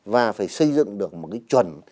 và phải xây dựng được một cái chuẩn